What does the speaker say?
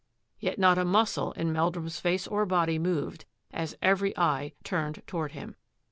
Yet not a muscle in Meldrum's face or body moved as every eye turned toward him.